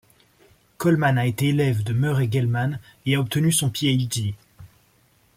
Coleman a été élève de Murray Gell-Mann et a obtenu son Ph.D.